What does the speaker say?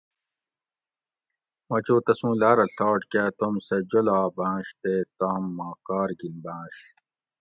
مہۤ چو تسُوں لاۤرہ ڷاٹ کاۤ توم سہۤ جولاۤباۤنش تے تام ما کاۤر گِنباۤںش